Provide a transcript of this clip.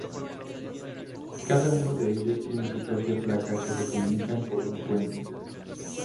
Cada uno de ellos tiene su propia placa que se comunican por un puente.